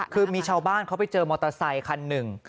คือมีชาวบ้านเขาไปเจอมอเตอร์ไซคันหนึ่ง